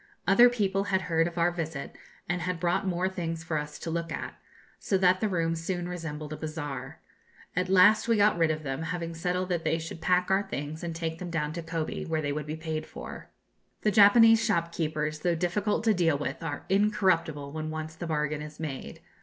Other people had heard of our visit, and had brought more things for us to look at; so that the room soon resembled a bazaar. At last we got rid of them, having settled that they should pack our things and take them down to Kobe, where they would be paid for. The Japanese shopkeepers, though difficult to deal with, are incorruptible when once the bargain is made.